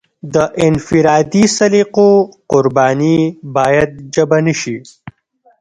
د انفرادي سلیقو قرباني باید ژبه نشي.